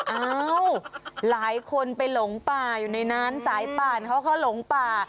เอ้าหลายคนไปหลงป่าอยู่ในนั้นสายป่านเขาเขาหลงป่า